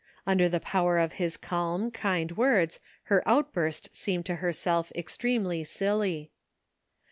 Under the power of his calm kind words her outburst seemed to herself extremely silly.